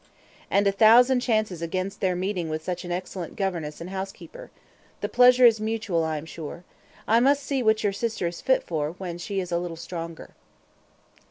"And a thousand chances against their meeting with such an excellent governess and housekeeper. The pleasure is mutual, I am sure. I must see what your sister is fit for, when she is a little stronger."